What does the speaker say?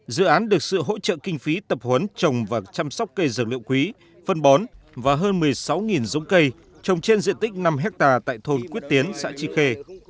dự án được sự hỗ trợ kinh phí tập huấn trồng và chăm sóc cây dược liệu quý phân bón và hơn một mươi sáu giống cây trồng trên diện tích năm hectare tại thôn quyết tiến xã tri khê